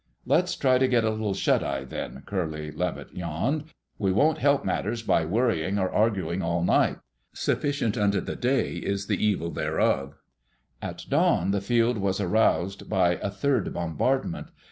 "Let's try to get a little shuteye, then," Curly Levitt yawned. "We won't help matters by worrying or arguing all night. 'Sufficient unto the day is the evil thereof.'" At dawn the field was roused by a third bombardment.